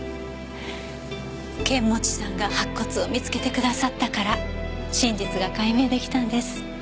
剣持さんが白骨を見つけてくださったから真実が解明出来たんです。